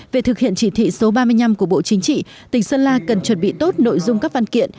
về thực hiện chỉ thị số ba mươi năm của bộ chính trị tỉnh sơn la cần chuẩn bị tốt nội dung các văn kiện